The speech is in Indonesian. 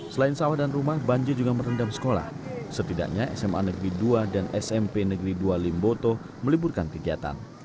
selain sawah dan rumah banjir juga merendam sekolah setidaknya sma negeri dua dan smp negeri dua limboto meliburkan kegiatan